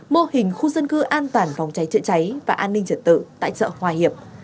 mô hình khu dân cư an toàn phòng cháy chữa cháy và an ninh trật tự tại chợ hòa hiệp